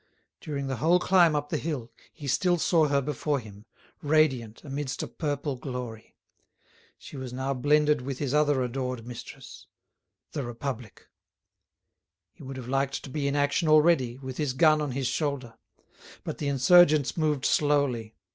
During the whole climb up the hill he still saw her before him, radiant, amidst a purple glory. She was now blended with his other adored mistress—the Republic. He would have liked to be in action already, with his gun on his shoulder. But the insurgents moved slowly.